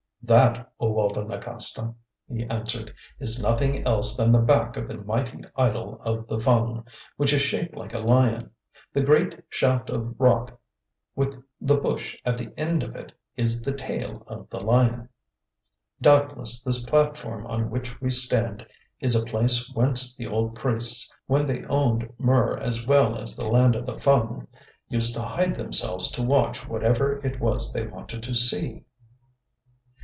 "That, O Walda Nagasta," he answered, "is nothing else than the back of the mighty idol of the Fung, which is shaped like a lion. The great shaft of rock with the bush at the end of it is the tail of the lion. Doubtless this platform on which we stand is a place whence the old priests, when they owned Mur as well as the land of the Fung, used to hide themselves to watch whatever it was they wanted to see.